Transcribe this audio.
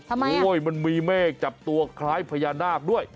ทำไงมีเมฆจับตัวคล้ายพญาณาคด้วย